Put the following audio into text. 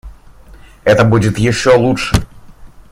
Это будет еще лучше.